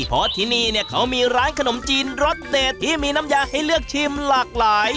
เพราะที่นี่เนี่ยเขามีร้านขนมจีนรสเด็ดที่มีน้ำยาให้เลือกชิมหลากหลาย